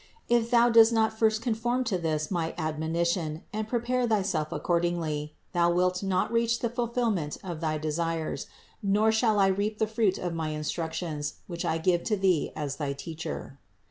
If thou dost not first conform to this my admonition, and prepare thy self accordingly, thou wilt not reach the fulfillment of thy desires, nor shall I reap the fruit of my instruc tions, which I give to thee as thy Teacher.